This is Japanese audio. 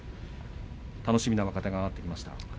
楽しみな若手が上がってきました。